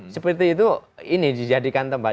seperti itu ini dijadikan tempat